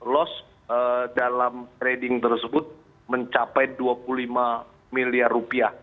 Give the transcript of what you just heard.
loss dalam trading tersebut mencapai dua puluh lima miliar rupiah